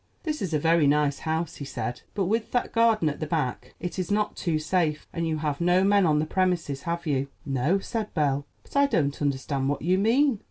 "This is a very nice house," he said; "but with that garden at the back it is not too safe; and you have no men on the premises, have you?" "No," said Belle; "but I don't understand what you mean."